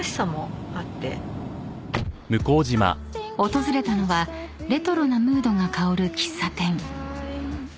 ［訪れたのはレトロなムードが薫る喫茶店］